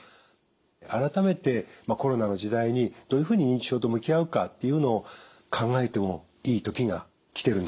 改めてコロナの時代にどういうふうに認知症と向き合うかっていうのを考えてもいい時が来てるんだと思います。